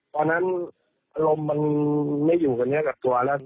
ตอนนั้นอารมณ์มันไม่อยู่กับเนื้อกับตัวแล้ว